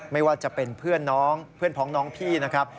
ไม่ว่าจะเป็นเพื่อนน้องเพื่อนพ้องน้องพี่นะครับ